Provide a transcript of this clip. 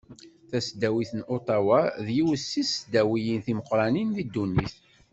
Tasdawit n Uṭawa d yiwet seg tesdawiyin timeqqranin di ddunit.